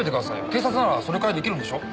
警察ならそれくらい出来るんでしょう？